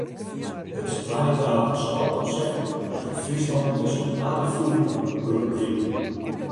It trijetalige-skoallekonsept hat yn Fryslân yntusken aardich foet oan ’e grûn krigen.